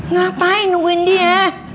ngapain nungguin dia